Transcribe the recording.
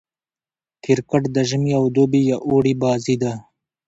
کرکټ د ژمي او دوبي يا اوړي بازي ده.